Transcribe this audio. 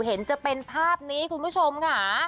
เห็นจะเป็นภาพนี้คุณผู้ชมค่ะ